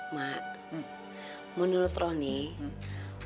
ma menurut ro nih